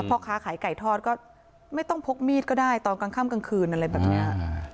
พ่อค้าขายไก่ทอดก็ไม่ต้องพกมีดก็ได้ตอนกลางค่ำกลางคืนอะไรแบบนี้